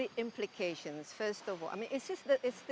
apa implikasinya pertama sekali